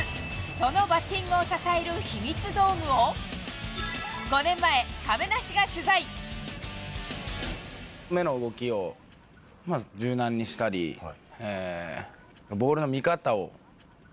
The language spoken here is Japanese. そのバッティングを支える秘密道具を、５年前、目の動きを柔軟にしたり、ボールの見方を？